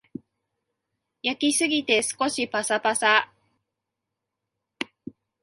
焼きすぎて少しパサパサ